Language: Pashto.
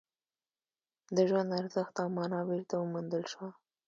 د ژوند ارزښت او مانا بېرته وموندل شوه